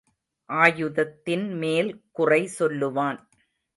ஆயுதத்தின் மேல் குறை சொல்லுவான்.